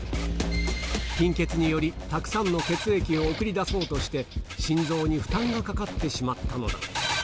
貧血により、たくさんの血液を送り出そうとして、心臓に負担がかかってしまったのだ。